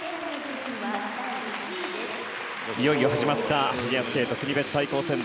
いよいよ始まったフィギュアスケート国別対抗戦。